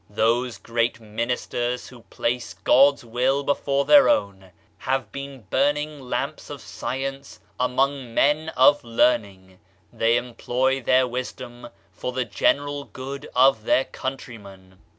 Those great ministers who place God's will before their own have been burning lamps of science among men of learning; they employ their wisdom for the general good of their countrymen.